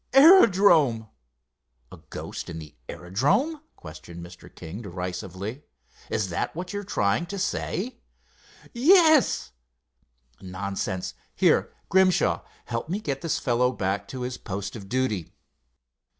"Aerodrome." "A ghost in the aerodrome?" questioned Mr. King, derisively. "Is that what you're trying to say?" "Yes." "Nonsense! Here, Grimshaw, help me get this fellow back to his post of duty."